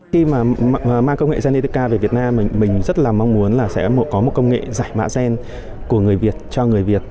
khi mà mang công nghệ geneca về việt nam mình rất là mong muốn là sẽ có một công nghệ giải mã gen của người việt cho người việt